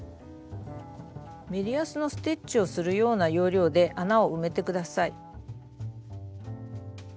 メリヤスのステッチをするような要領で穴を埋めて下さい。